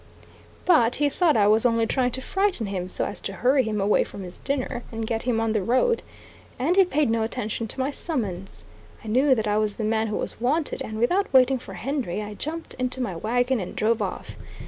But he thought I was only trying to frighten him so as to hurry him away from his dinner, and get him on the road, and he paid no attention to my summons. I knew that I was the man who was wanted, and, without waiting for Henry, I jumped into my wagon and drove off.